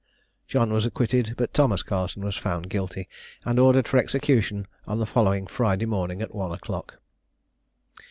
John was acquitted; but Thomas Carson was found guilty, and ordered for execution on the following Friday morning, at one o'clock.